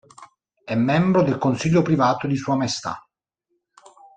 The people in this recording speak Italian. È membro del Consiglio privato di sua maestà.